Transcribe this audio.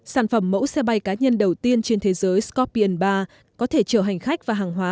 sản phẩm mẫu xe bay cá nhân đầu tiên trên thế giới scotion ba có thể chở hành khách và hàng hóa